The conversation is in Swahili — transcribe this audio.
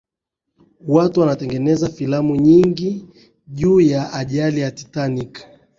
watu wanatengeneza filamu nyingi juu ya ajali ya titanic